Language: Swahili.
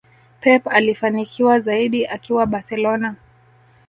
Pep alifanikiwa zaidi akiwa barcelona